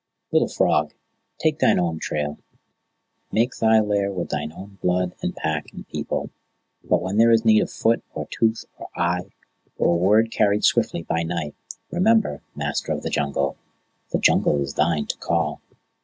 Little Frog, take thine own trail; make thy lair with thine own blood and pack and people; but when there is need of foot or tooth or eye, or a word carried swiftly by night, remember, Master of the Jungle, the Jungle is thine at call."